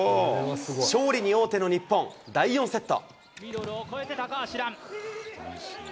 勝利に王手の日本、第４セット。